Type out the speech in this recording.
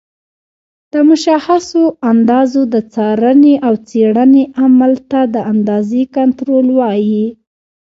د مشخصو اندازو د څارنې او څېړنې عمل ته د اندازې کنټرول وایي.